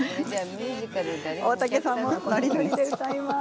大竹さんもノリノリで歌っちゃいます。